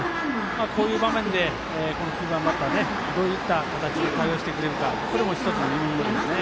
こういう場面で９番バッター、どういった形で対応してくるかこれも１つの見どころですね。